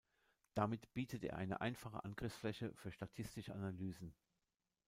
Damit bietet er eine einfache Angriffsfläche für statistische Analysen.